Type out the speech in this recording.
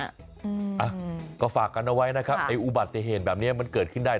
อ่ะก็ฝากกันเอาไว้นะครับไอ้อุบัติเหตุแบบนี้มันเกิดขึ้นได้